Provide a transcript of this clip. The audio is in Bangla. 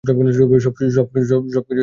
সবকিছুই ক্ষমতার খেলা আসলে।